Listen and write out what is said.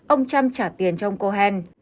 ông trump trả tiền cho ông cohen